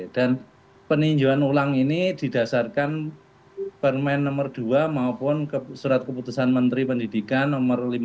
dan peninjuan ulang ini didasarkan permen no dua maupun surat keputusan menteri pendidikan no lima puluh empat